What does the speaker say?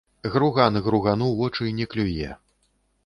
Груган гругану вочы не клюе.